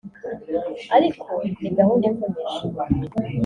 ariko ni gahunda ikomeje